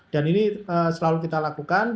dan ini selalu kita lakukan